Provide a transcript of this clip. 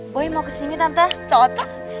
boy mau kesini tante